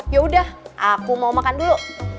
yaudah aku mau makan dulu